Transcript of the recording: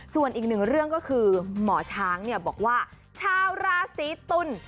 ส่วนอีกหนึ่งเรื่องก็คือหมอช้างบอกว่าชาวราศีตุล